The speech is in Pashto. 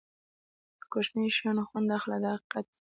د کوچنیو شیانو خوند اخله دا حقیقت دی.